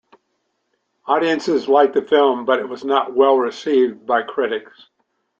Audiences liked the film, but it was not well received by critics.